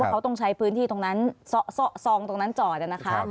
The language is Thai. เขาต้องใช้พื้นที่ตรงนั้นซองตรงนั้นจอดนะคะ